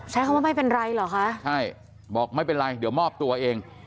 ใช้คำว่าไม่เป็นไรเหรอคะใช่บอกไม่เป็นไรเดี๋ยวมอบตัวเอง